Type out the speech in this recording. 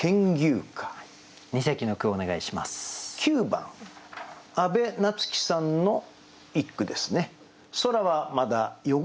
９番阿部奈津紀さんの一句ですね。